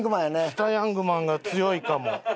下ヤングマンが強いかも。